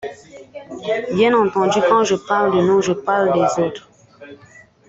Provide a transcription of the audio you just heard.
Bien entendu, quand je parle de nous, je parle des autres.